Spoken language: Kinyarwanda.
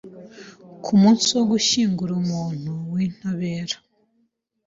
kumunsi wo gushyingura umuntu wintabera